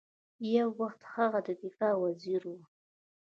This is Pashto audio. یو وخت هغه د دفاع وزیر ؤ